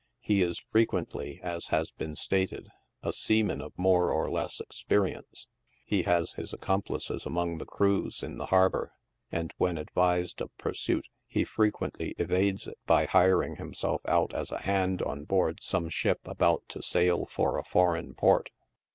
He is frequently, as has been stated, a seaman of more or less experience ; he has his accomplices among the crews in the harbor, and when advised of pursuit, he fre quently evades it by hiring himself out as a hand on board some ship about to sail for a foreign port.